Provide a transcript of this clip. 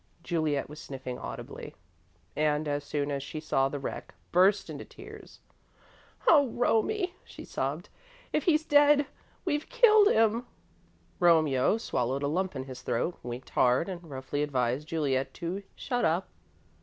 Juliet was sniffing audibly, and, as soon as she saw the wreck, burst into tears. "Oh, Romie," she sobbed, "if he's dead, we've killed him!" Romeo swallowed a lump in his throat, winked hard, and roughly advised Juliet to "shut up."